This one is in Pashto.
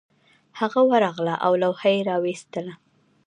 هغه ورغله او لوحه یې راویستله